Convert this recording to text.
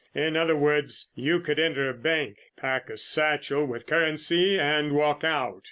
In other words, you could enter a bank, pack a satchel with currency and walk out.